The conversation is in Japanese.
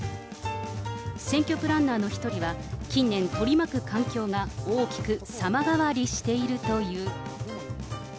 選挙プランナーの一人は、近年、取り巻く環境が大きく様変わりしているという。